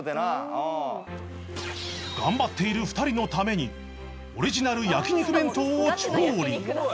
頑張っている２人のためにオリジナル焼肉弁当を調理